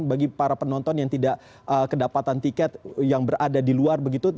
bagi para penonton yang tidak kedapatan tiket yang berada di luar begitu